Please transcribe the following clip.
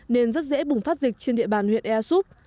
nên rất dễ bùng phát dịch trên địa bàn huyện ea súp